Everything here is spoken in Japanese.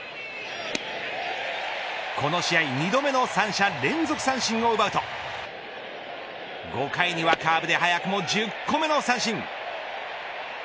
この試合２度目の三者連続三振を奪うと５回にはカーブで早くも１０個目の三振。